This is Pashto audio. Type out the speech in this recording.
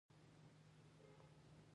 د ډنډ د دیوالونو ترمیم هم باید سرته ورسیږي.